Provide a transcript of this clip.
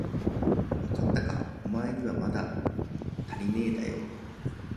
わかったか、おまえにはまだたりねえだよ。